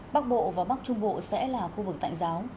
bắc bộ và bắc trung bộ sẽ là khu vực tạnh giáo